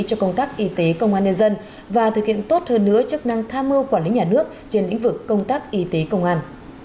cho công tác y tế công an nhân dân và thực hiện tốt hơn nữa chức năng tham mưu quản lý nhà nước trên lĩnh vực công tác y tế công an